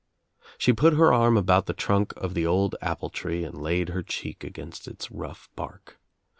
She put her arm about the trunk of t*he old apple tree and laid her cheek against its rough bark.